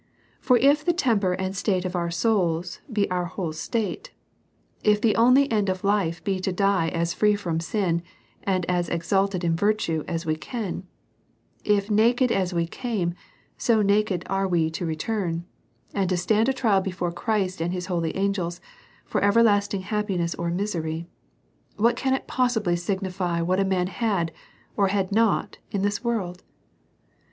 For if the temper and state of our souls be our whole state ; if the only end of life be to die as free from sin, and as exalted in virtue, as we can ; if na 156 A SERIOUS CALL TO A ked as we came^ so naked are we to return^ and to stand a trial before Christ and his holy angels^ for everlasting happiness or misery ; what can it possi bly signify what a man had^ or had not^ in this world?